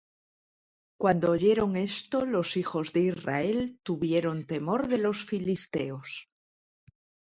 Cuando oyeron esto los hijos de Israel, tuvieron temor de los filisteos.